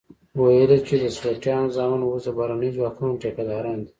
ويل يې چې د سوټيانو زامن اوس د بهرنيو ځواکونو ټيکه داران دي.